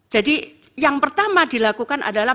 jadi yang pertama dilakukan adalah